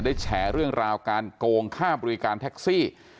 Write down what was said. แฉเรื่องราวการโกงค่าบริการแท็กซี่